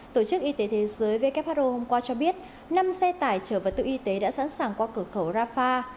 tổ chức y tế thế giới who hôm qua cho biết năm xe tải trở vào tự y tế đã sẵn sàng qua cửa khẩu rafah